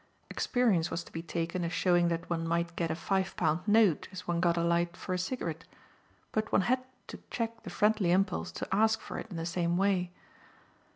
Experience was to be taken as showing that one might get a five pound note as one got a light for a cigarette; but one had to check the friendly impulse to ask for it in the same way.